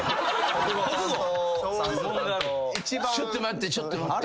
ちょっと待ってちょっと待って。